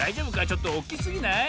ちょっとおっきすぎない？